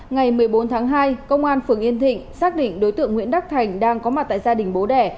ngày một mươi bốn tháng hai công an phường yên thịnh xác định đối tượng nguyễn đắc thành đang có mặt tại gia đình bố đẻ